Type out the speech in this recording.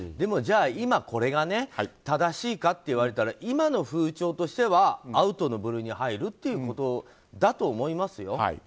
じゃあ、今これが正しいかって言われたら、今の風潮としてはアウトの部類に入るということだと思いますよ。